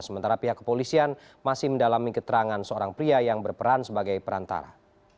sementara pihak kepolisian masih mendalami keterangan seorang pria yang berperan sebagai perantara